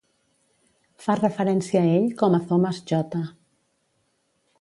Fa referència a ell com a Thomas J.